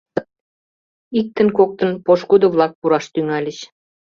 Иктын-коктын пошкудо-влак пураш тӱҥальыч.